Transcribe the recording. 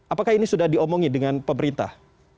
apakah ini sudah diomongi dengan pemerintah